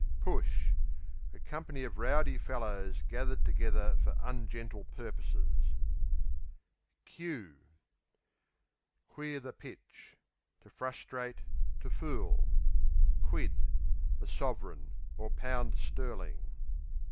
v. Push A company of rowdy fellows gathered together for ungentle purposes. Queer the pitch To frustrate; to fool. Quid A sovereign, or pound sterling.